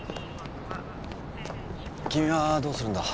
君はどうするんだ？